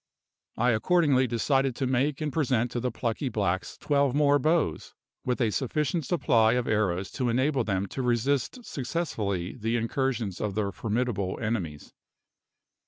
I accordingly decided to make and present to the plucky blacks twelve more bows, with a sufficient supply of arrows to enable them to resist successfully the incursions of their formidable enemies.